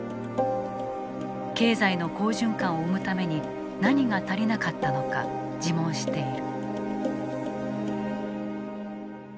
経済の好循環を生むために何が足りなかったのか自問している。